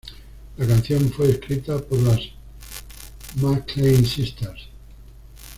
La canción fue escrita por las McClain Sisters.